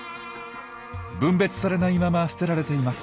分別されないまま捨てられています。